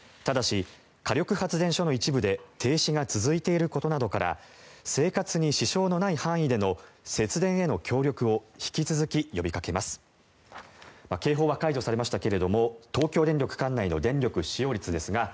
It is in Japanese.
ただし、火力発電所の一部で停止が続いていることなどから生活に支障のない範囲での節電への協力を引き続き呼びかけます。